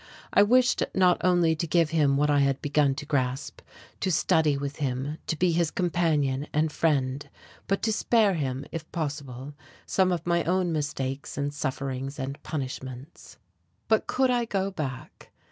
I wished not only to give him what I had begun to grasp, to study with him, to be his companion and friend, but to spare him, if possible, some of my own mistakes and sufferings and punishments. But could I go back?